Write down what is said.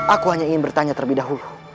aku hanya ingin bertanya terlebih dahulu